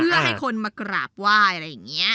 เพื่อให้คนมากราบไหว้อะไรอย่างนี้